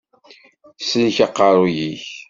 Sellek aqeṛṛuy-ik!